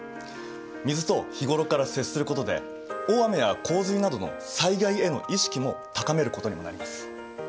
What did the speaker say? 水と日頃から接することで大雨や洪水などの災害への意識も高めることにもなります。